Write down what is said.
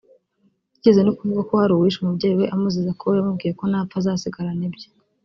Byigeze no kuvugwa ko hari uwishe umubyezi we amuziza ko yamubwiye ko napfa azasigarana ibye